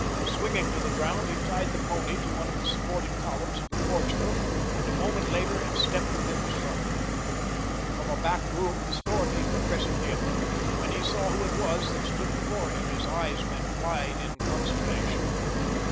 Swinging to the ground he tied the pony to one of the supporting columns of the porch roof and a moment later had stepped within the shop. From a back room the shopkeeper presently emerged, and when he saw who it was that stood before him his eyes went wide in consternation.